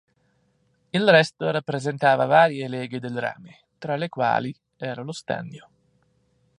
Il resto rappresentava varie leghe del rame, tra le quali era lo stagno.